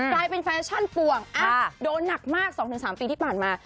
กลายเป็นแฟชั่นป่วงโดนหนักมาก๒๓ปีที่ผ่านมา